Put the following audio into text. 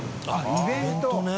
イベントね。